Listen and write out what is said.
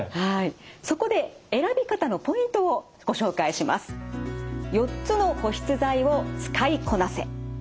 そこで選び方のポイントをご紹介します。